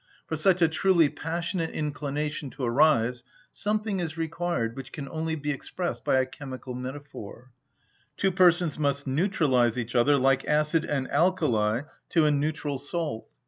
For such a truly passionate inclination to arise something is required which can only be expressed by a chemical metaphor: two persons must neutralise each other, like acid and alkali, to a neutral salt.